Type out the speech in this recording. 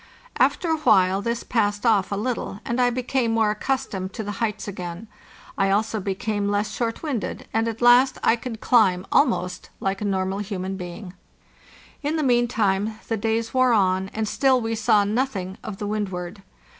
After a while this passed off a little, and I became more accustomed to the heights again. I also became less short winded, and at last I could climb almost like a normal human being. In the meantime the days wore on, and still we saw nothing of the Wendward.